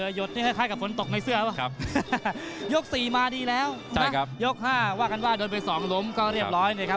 เหนือยดนี่คล้ายกับฝนตกในเสื้อหรือเปล่ายก๔มาดีแล้วยก๕ว่ากันว่าโดนไปสองหลมก็เรียบร้อยนะครับ